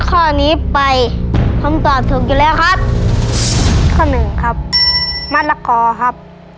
ข้อนี้ไปผมตอบถูกอยู่แล้วครับข้อหนึ่งครับมะละกอครับ